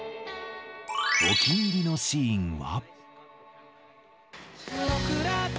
お気に入りのシーンは。